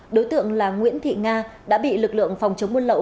đối tượng là nguyễn thị nga đã bị lực lượng phòng chống buôn lậu